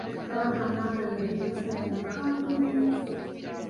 Kabaka mwanga yali musajja mukambwe nnyo.